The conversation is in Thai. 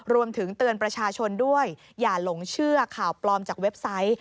รวมถึงเตือนประชาชนด้วยอย่าหลงเชื่อข่าวปลอมจากเว็บไซต์